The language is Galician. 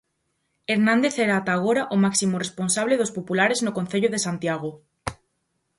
Hernández era ata agora o máximo responsable dos populares no Concello de Santiago.